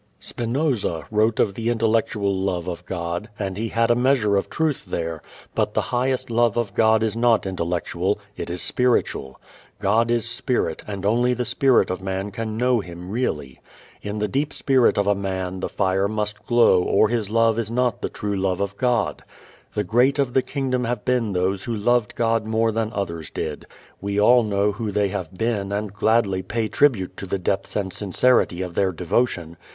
Spinoza wrote of the intellectual love of God, and he had a measure of truth there; but the highest love of God is not intellectual, it is spiritual. God is spirit and only the spirit of man can know Him really. In the deep spirit of a man the fire must glow or his love is not the true love of God. The great of the Kingdom have been those who loved God more than others did. We all know who they have been and gladly pay tribute to the depths and sincerity of their devotion.